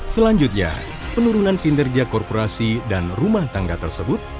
selanjutnya penurunan kinerja korporasi dan rumah tangga tersebut